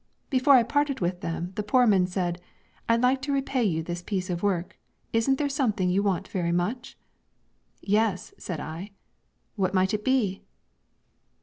Before I parted with them, the Poorman said, 'I'd like to repay you this piece of work: isn't there something you want very much?' 'Yes,' said I. 'What might it be?'